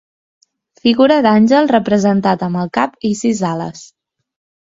Figura d'àngel representat amb el cap i sis ales.